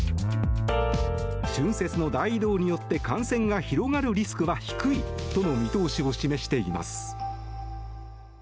春節の大移動によって感染が広がるリスクは低いとの見通しを示しています。